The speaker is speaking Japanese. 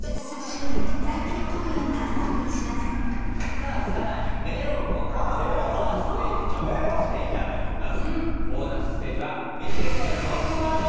さあさらにメロンをかけてボーナスステージ挑戦していただきます。